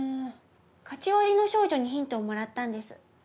カチワリの少女にヒントをもらったんです。